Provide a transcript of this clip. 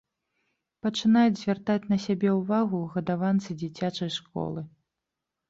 Пачынаюць звяртаць на сябе ўвагу гадаванцы дзіцячай школы.